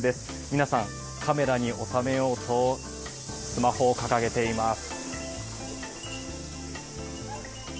皆さん、カメラに収めようとスマホを掲げています。